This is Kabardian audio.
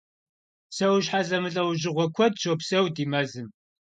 Псэущхьэ зэмылӏэужьыгъуэ куэд щопсэу ди мэзым.